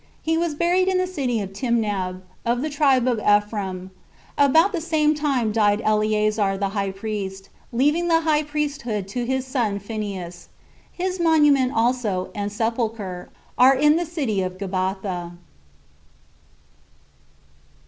He was buried in the city of Timnab, of the tribe of Ephraim 9 About the same time died Eleazar the high priest, leaving the high priesthood to his son Phineas. His monument also, and sepulcher, are in the city of Gabatha.